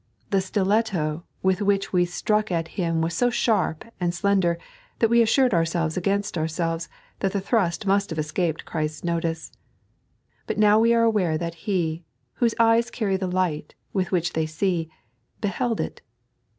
The stiletto with which we struck at him was so sharp and slender that we aesured ourselves against ourselves that the thrust must have escaped Christ's notice. But now we are aware that He, whose eyes carry the light with which they see, beheld it.